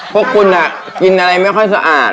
พวกคุณกินอะไรไม่ค่อยสะอาด